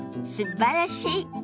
すばらしい！